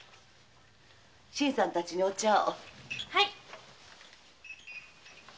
新さんたちにお茶を。